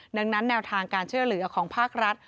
ดังนั้นแนวทางการช่วยเหลือของภาครัฐ